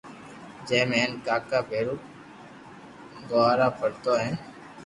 جي ۾ ھين ڪاڪا ڀيرو گونا ڀرتو ھين